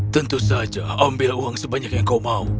tentu saja ambil uang sebanyak yang kau mau